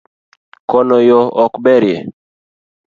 Kono yoo ok berie